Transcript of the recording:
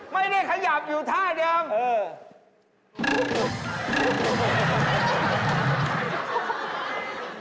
ไม่ได้ขยับอยู่ท่าเดิมเออ